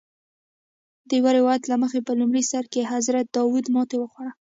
د یو روایت له مخې په لومړي سر کې حضرت داود ماتې وخوړه.